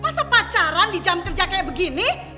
masa pacaran di jam kerja kayak begini